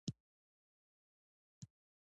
ایا زه باید خپل مټې قوي کړم؟